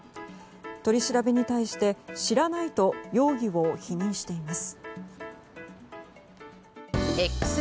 取り調べに対して、知らないと容疑を否認しています。